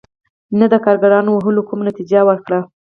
نه د کارګرانو وهلو کومه نتیجه ورکړه.